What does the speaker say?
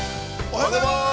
◆おはようございます。